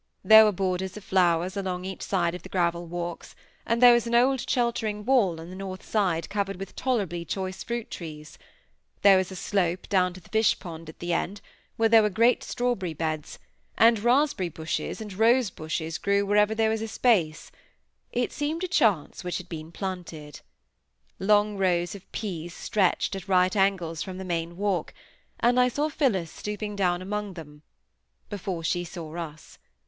There were borders of flowers along each side of the gravel walks; and there was an old sheltering wall on the north side covered with tolerably choice fruit trees; there was a slope down to the fish pond at the end, where there were great strawberry beds; and raspberry bushes and rose bushes grew wherever there was a space; it seemed a chance which had been planted. Long rows of peas stretched at right angles from the main walk, and I saw Phillis stooping down among them, before she saw us.